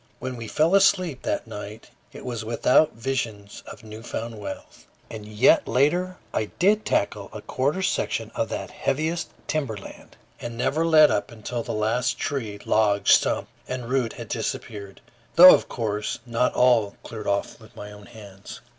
When we fell asleep that night, it was without visions of new found wealth. And yet later I did tackle a quarter section of that heaviest timber land, and never let up until the last tree, log, stump, and root had disappeared, though of course, not all cleared off by my own hands.